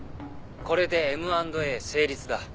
これでＭ＆Ａ成立だ。